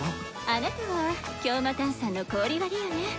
あなたは強魔炭酸の氷割りよね？